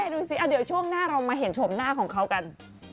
ดูสิเดี๋ยวช่วงหน้าเรามาเห็นชมหน้าของเขากัน